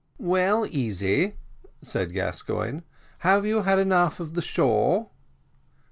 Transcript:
"Well, Easy," said Gascoigne, "have you had enough of the shore?"